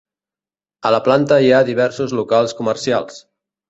A la planta hi ha diversos locals comercials.